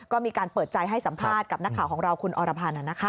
ก็มีการเปิดใจให้สัมภาษณ์กับนักข่าวของเราคุณอรพันธ์